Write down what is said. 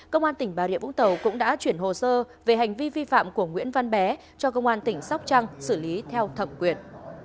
công an tỉnh bà rịa vũng tàu cũng đã chuyển hồ sơ về hành vi vi phạm của nguyễn văn bé cho công an tỉnh sóc trăng xử lý theo thẩm quyền